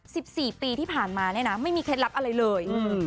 สิบสี่ปีที่ผ่านมาเนี่ยนะไม่มีเคล็ดลับอะไรเลยอืม